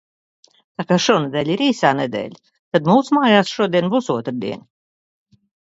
Tā kā šonedēļ ir īsā nedēļā, tad mūsmājās šodien būs otrdiena.